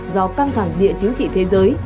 do căng thẳng địa chính trị thế giới